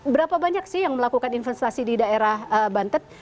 berapa banyak sih yang melakukan investasi di daerah banten